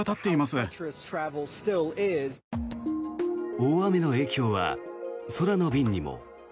大雨の影響は空の便にも。